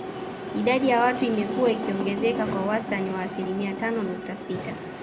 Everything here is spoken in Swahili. Idadi ya watu imekua ikiongezeka kwa wastani wa asilimia tano nukta sita